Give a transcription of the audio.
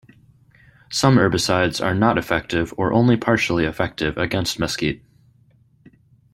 Some herbicides are not effective or only partially effective against mesquite.